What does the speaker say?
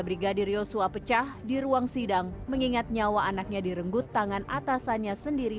brigadir yosua pecah di ruang sidang mengingat nyawa anaknya direnggut tangan atasannya sendiri